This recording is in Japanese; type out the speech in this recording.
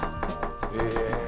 へえ